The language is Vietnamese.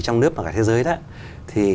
trong nước mà cả thế giới đó thì